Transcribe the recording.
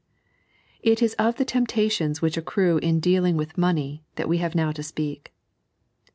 It is of the temptations which accrue in dealing with money that we have now to speak.